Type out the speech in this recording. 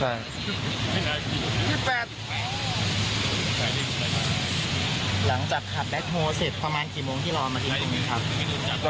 ประมาณกี่โมงที่เราเอามาทิ้งพรุ่งนี้ครับ